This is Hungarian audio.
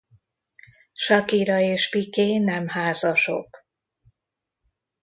Shakira és Pique nem házasok.